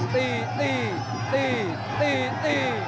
ตีตีตีตีตี